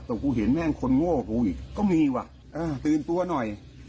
แต่กูเห็นแม่งคนโง่กูอีกก็มีว่ะตื่นตัวหน่อย